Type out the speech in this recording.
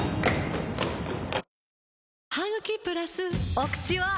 お口は！